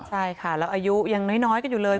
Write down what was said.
ใช่ค่ะแล้วอายุยังน้อยกันอยู่เลย